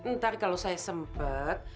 ntar kalau saya sempet